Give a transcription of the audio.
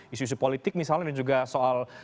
isu isu politik misalnya dan juga soal